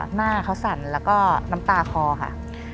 หน้าเขาสั่นแล้วก็น้ำตาคอค่ะ